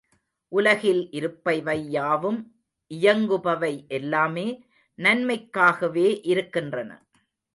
உலகில் இருப்பவையாவும், இயங்குபவை எல்லாமே நன்மைக்காகவே இருக்கின்றன.